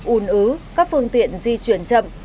ùn ứ các phương tiện di chuyển chậm